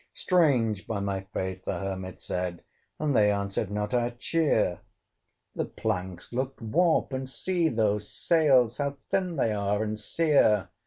"Strange, by my faith!" the Hermit said "And they answered not our cheer! The planks looked warped! and see those sails, How thin they are and sere!